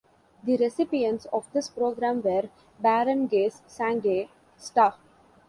The recipients of this program were Barangays Sangay, Sta.